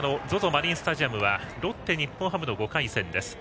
マリンスタジアムはロッテ、日本ハムの５回戦です。